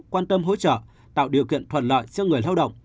quan tâm hỗ trợ tạo điều kiện thuận lợi cho người lao động